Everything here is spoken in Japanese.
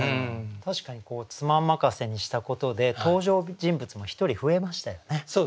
確かに「妻任せ」にしたことで登場人物も１人増えましたよね。